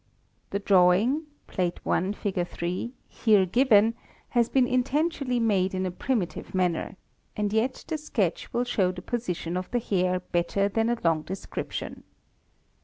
'The drawing (Plate I, Fig. 3) here given has been intentionally made in a primitive manner; and yet the sketch will show the position of the hair better than a long description.